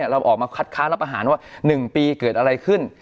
เราออกมาคัดค้านรับอาหารว่า๑ปีเกิดอะไรขึ้น